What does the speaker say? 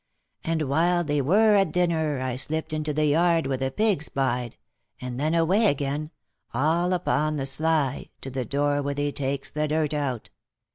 And while they were at dinner, I slipped into the yard where the pigs bide, and then away again, all upon the sly, to the door where they takes the dirt out.